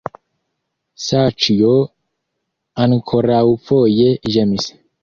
Saĉjo ankoraŭfoje ĝemis.